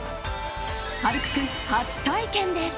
晴空君、初体験です。